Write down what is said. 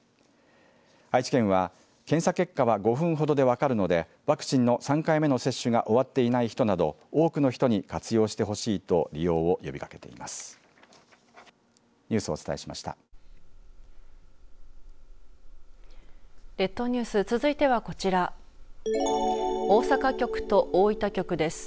愛知県は検査結果は５分ほどで分かるのでワクチンの３回目の接種が終わっていない人など多くの人に活用してほしいと利用を呼びかけています。